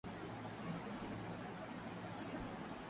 Cathy alikuwa mtu wa Yesu